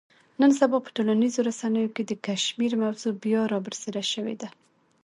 نن سبا په ټولنیزو رسنیو کې د کشمیر موضوع بیا را برسېره شوې ده.